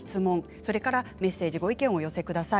それからメッセージ、ご意見をお寄せください。